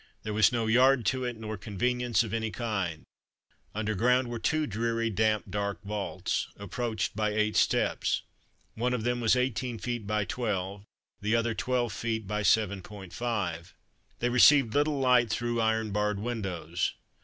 There was no yard to it, nor convenience of any kind. Under ground were two dreary, damp, dark vaults, approached by eight steps. One of them was 18 feet by 12, the other 12 feet by 7.5. They received little light through iron barred windows.